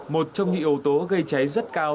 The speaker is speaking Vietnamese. một trong những ổ tố gây cháy rất cao